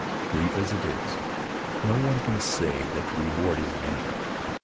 Brief as it is, no one can say that the reward isn't ample.